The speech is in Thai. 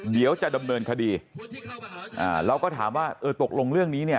เดี๋ยวจะดำเนินคดีอ่าเราก็ถามว่าเออตกลงเรื่องนี้เนี่ย